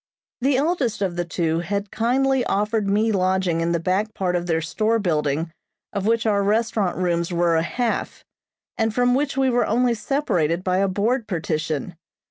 The eldest of the two had kindly offered me lodging in the back part of their store building of which our restaurant rooms were a half, and from which we were only separated by a board partition.